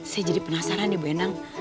saya jadi penasaran ya bu enang